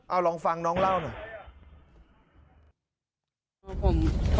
เอาลองฟังน้องเล่าหน่อย